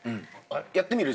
やってみる？